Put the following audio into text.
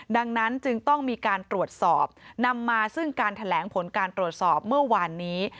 ดังนั้นจึงต้องมีการตรวจสอบนำมาซึ่งการแถลงผลการตรวจสอบเมื่อวานนี้